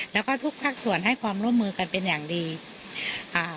แล้วก็ทุกภาคส่วนให้ความร่วมมือกันเป็นอย่างดีอ่า